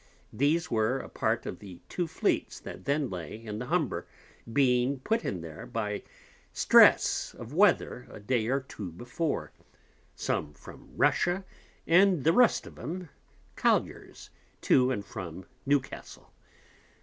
These were a part of the two Fleets that then lay in the Humber, being put in there by stress of Weather a day or two before, some from Russia, and the rest of 'em Colliers, to and from Newcastle.